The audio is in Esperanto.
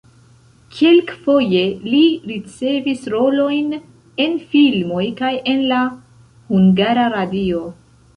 Kelkfoje li ricevis rolojn en filmoj kaj en la Hungara Radio.